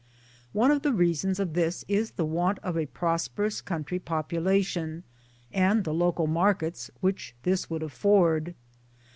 One of the reasons of this is the want of a prosperous country population and the local markets which this would afford.